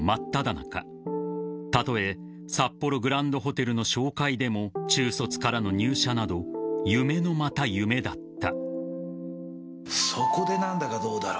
［たとえ札幌グランドホテルの紹介でも中卒からの入社など夢のまた夢だった］